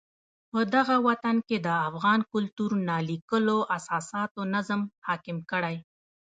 پدغه وطن کې د افغان کلتور نا لیکلو اساساتو نظم حاکم کړی.